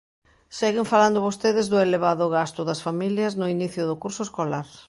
Seguen falando vostedes do elevado gasto das familias no inicio do curso escolar.